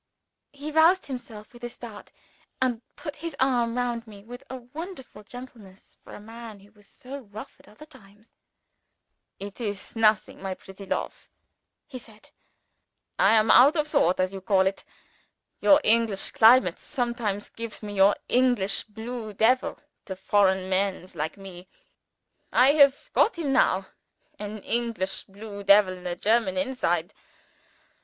He roused himself with a start, and put his arm round me, with a wonderful gentleness for a man who was so rough at other times. "It is nothing, my pretty lofe," he said. "I am out of sort, as you call it. Your English climates sometimes gives your English blue devil to foreign mens like me. I have got him now an English blue devil in a German inside.